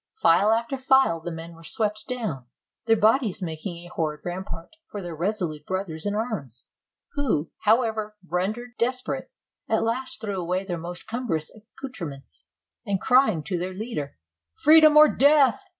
File after file the men were swept down, their bodies making a horrid rampart for their resolute brothers in arms, who, however, ren dered desperate, at last threw away their most cumbrous accouterments, and crying to their leader, "Freedom or death!"